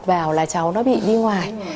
vào là cháu nó bị đi ngoài